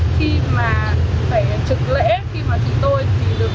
tôi khi mà tham gia đi du lịch hoặc là đi lại trên đường